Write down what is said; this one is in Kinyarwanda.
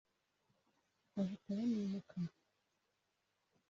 bahita banimuka